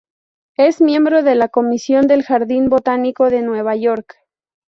Es miembro de la comisión del Jardín Botánico de Nueva York.